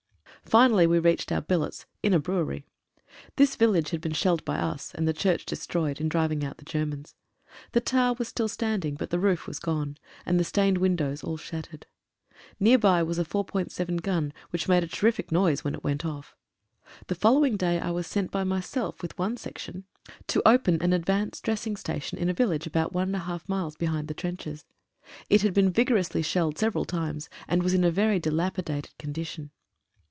Finally we reached our billets, in a brewery. This village had been shelled by us, and the church destroyed, in driving out the Germans. The tower was still standing, but the roof was gone, and the stained win dows all shattered. Near by was a 4.7 gun, which made a terrific noise when it went off. The following day I was sent by myself with one section to open an advance 23 THE SNIPER. dressing station at a village about one and a half miles behind the trenches. It had been vigorously shelled several times, and was in a very dilapidated condition.